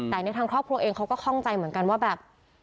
แต่ในทางครอบครัวเองเขาก็คล่องใจเหมือนกันว่าแบบ